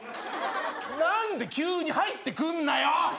なんで急に入ってくんなよ！